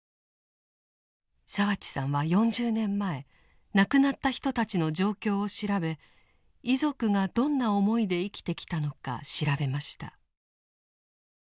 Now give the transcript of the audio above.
澤地さんは４０年前亡くなった人たちの状況を調べ遺族がどんな思いで生きてきたのか調べました。